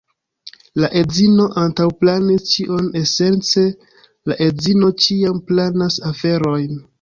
La edzino antaŭplanis ĉion, esence la edzino ĉiam planas aferojn.